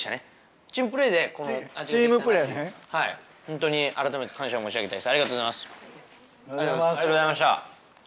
はいホントにあらためて感謝を申し上げたいです。